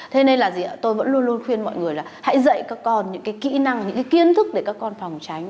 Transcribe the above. thế nên là gì ạ tôi vẫn luôn luôn khuyên mọi người là hãy dạy các con những cái kỹ năng những cái kiến thức để các con phòng tránh